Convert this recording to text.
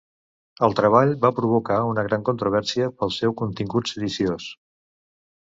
El treball va provocar una gran controvèrsia pel seu contingut sediciós.